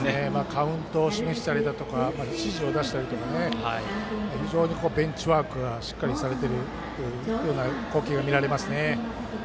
カウントを示したりだとか指示を出したりだとか非常にベンチワークがしっかりされてる光景が見られますね。